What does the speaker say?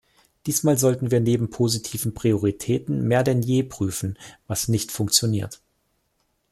Diesmal sollten wir neben positiven Prioritäten mehr denn je prüfen, was nicht funktioniert.